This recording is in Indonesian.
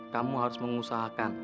kamu harus mengusahakan